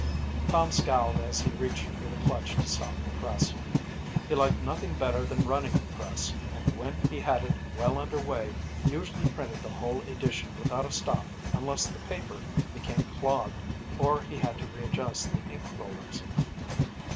Tom scowled as he reached for the clutch to stop the press. He liked nothing better than running the press and when he had it well under way, usually printed the whole edition without a stop unless the paper became clogged or he had to readjust the ink rollers.